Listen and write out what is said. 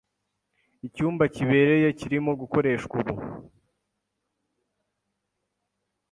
Icyumba kibereye kirimo gukoreshwa ubu.